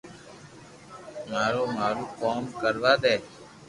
مارو مارو ڪوم ڪروا دي